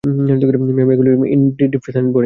Ma'am, এগুলি antidepressants বড়ি।